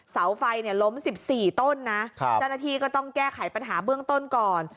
เสาไฟเนี่ยล้ม๑๔ต้นนะเจ้าหน้าที่ก็ต้องแก้ไขปัญหาเบื้องต้นก่อน